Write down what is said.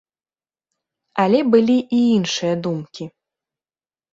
Але былі і іншыя думкі.